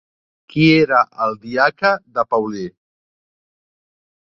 Qui era el diaca de Paulí?